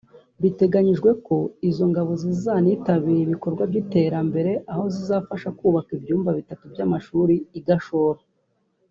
Biteganyijwe ko izi ngabo zizanitabira ibikorwa by’iterambere aho zizafasha mu kubaka ibyumba bitatu by’amashuri i Gashora